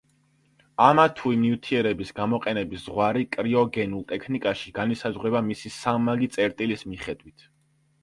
ამა თუ იმ ნივთიერების გამოყენების ზღვარი კრიოგენულ ტექნიკაში განისაზღვრება მისი სამმაგი წერტილის მიხედვით.